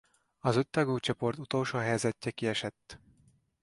Az öttagú csoport utolsó helyezettje kiesett.